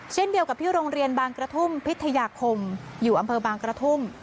เช่นเดียวกับที่โรงเรียนบางกระทุ่มพิทยาคมอยู่อำเภอบางกระทุ่ม